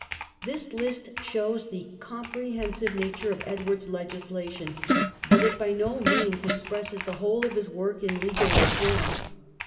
This list shows the comprehensive nature of Edward's legislation, but it by no means expresses the whole of his work in legal reform.